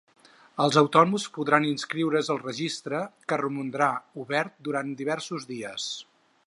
Els autònoms podran inscriure’s al registre, que romandrà obert durant diversos dies.